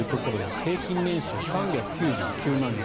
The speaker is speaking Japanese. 平均年収３９９万円。